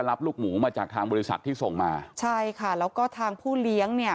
รับลูกหมูมาจากทางบริษัทที่ส่งมาใช่ค่ะแล้วก็ทางผู้เลี้ยงเนี่ย